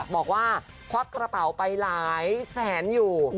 บอกว่าค๊อปกระเป๋าไปหลายแสนอยู่